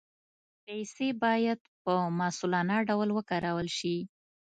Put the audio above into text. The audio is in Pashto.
پیسې باید په مسؤلانه ډول وکارول شي.